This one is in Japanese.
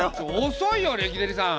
遅いよレキデリさん！